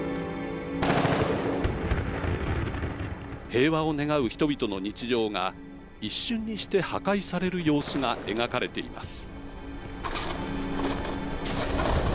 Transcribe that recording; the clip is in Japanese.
平和を願う人々の日常が一瞬にして破壊される様子が描かれています。